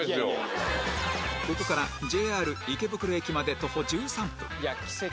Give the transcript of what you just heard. ここからＪＲ池袋駅まで徒歩１３分